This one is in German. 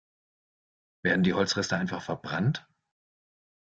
Werden die Holzreste einfach verbrannt?